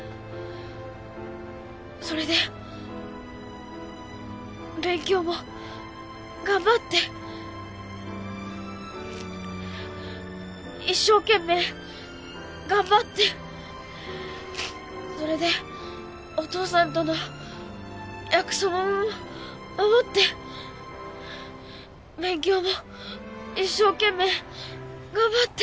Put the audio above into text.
それで勉強も頑張って一生懸命頑張ってそれでお父さんとの約束も守って勉強も一生懸命頑張って。